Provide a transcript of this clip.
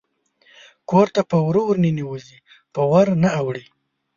کور ته په وره ورننوزي په ور نه اوړي